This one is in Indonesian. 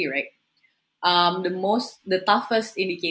yang paling sukar untuk